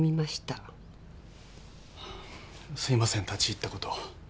すいません立ち入ったことを。